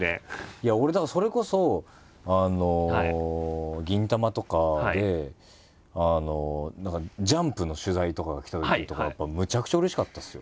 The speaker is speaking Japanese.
いや俺だからそれこそ「銀魂」とかで「ジャンプ」の取材とかが来たときとかやっぱむちゃくちゃうれしかったですよ。